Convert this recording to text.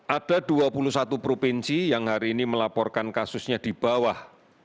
ada dua puluh satu provinsi yang hari ini melaporkan kasusnya di bawah